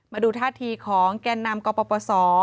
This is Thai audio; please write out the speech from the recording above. มาดูท่าทีของแก่นำกปศ